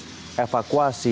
proses pemberian bantuan